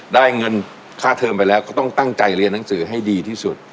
ได้เงินค่าเทอมไปแล้วก็ต้องตั้งใจเรียนหนังสือให้ดีที่สุด